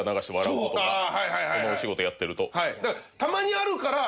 このお仕事やってると。